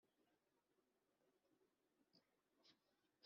kurasa ikinyugunyugu ku nyanya,